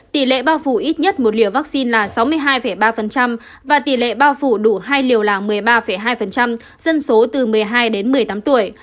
tỷ lệ bao phủ ít nhất một liều vaccine là sáu mươi hai ba và tỷ lệ bao phủ đủ hai liều là một mươi ba hai dân số từ một mươi hai đến một mươi tám tuổi